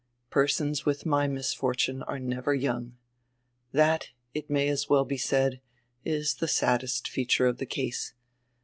Persons widi my misfortune are never young. That, it may as well be said, is die saddest feature of die case.